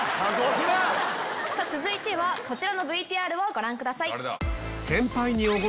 続いてはこちらのＶＴＲをご覧ください。